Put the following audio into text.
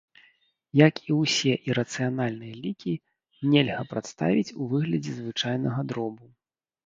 Як і ўсе ірацыянальныя лікі, нельга прадставіць у выглядзе звычайнага дробу.